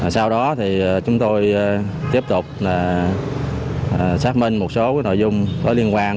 sau đó thì chúng tôi tiếp tục xác minh một số nội dung có liên quan